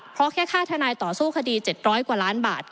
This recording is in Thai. เพราะแค่ค่าทนายต่อสู้คดี๗๐๐กว่าล้านบาท